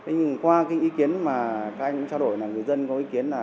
nhưng qua cái ý kiến mà các anh cũng trao đổi là người dân có ý kiến là